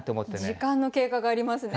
時間の経過がありますね。